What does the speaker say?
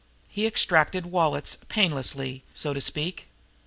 He extracted wallets painlessly, so to speak.